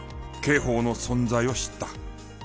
刑法の存在を知った。